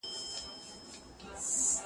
دا دنیا له هر بنده څخه پاتیږي٫